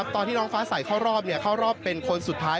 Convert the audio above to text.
ตอนที่น้องฟ้าใสเข้ารอบเข้ารอบเป็นคนสุดท้าย